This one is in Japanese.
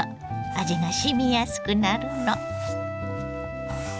味がしみやすくなるの。